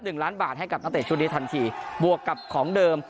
หนึ่งล้านบาทให้กับนักเตะชุดนี้ทันทีบวกกับของเดิม